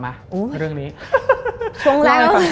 ภาครัวรู้ไหม